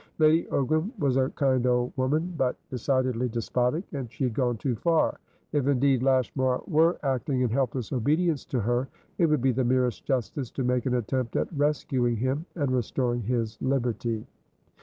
Lady Ogram was a kind old woman, but decidedly despotic, and she had gone too far. If indeed Lashmar were acting in helpless obedience to her, it would be the merest justice to make an attempt at rescuing him and restoring his liberty.